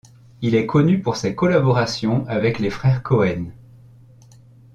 Il est connu pour ses collaborations avec les frères Coen.